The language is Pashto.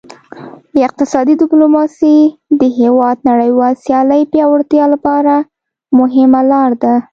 اقتصادي ډیپلوماسي د هیواد نړیوال سیالۍ پیاوړتیا لپاره مهمه لار ده